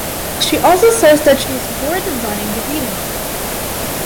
She also says that she is bored of running the reading room.